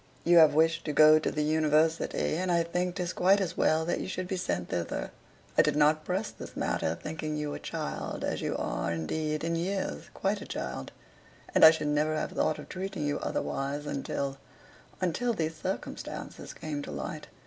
You have wished to go to the University, and I think 'tis quite as well that you should be sent thither. I did not press this matter, thinking you a child, as you are, indeed, in years quite a child; and I should never have thought of treating you otherwise until until these CIRCUMSTANCES came to light.